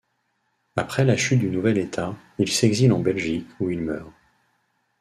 Après la chute du nouvel État, il s'exile en Belgique où il meurt.